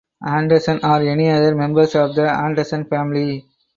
Anderson or any other members of the Anderson family.